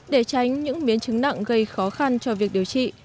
để tránh những biến chứng nặng gây khó khăn cho việc điều trị